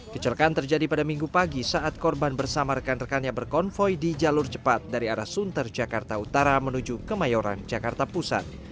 kecelakaan terjadi pada minggu pagi saat korban bersama rekan rekannya berkonvoy di jalur cepat dari arah sunter jakarta utara menuju kemayoran jakarta pusat